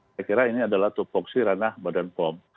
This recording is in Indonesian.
saya kira ini adalah tupoksi ranah badan pom